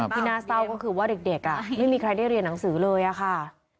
ที่น่าเศร้าก็คือว่าเด็กไม่มีใครได้เรียนหนังสือเลยอะค่ะ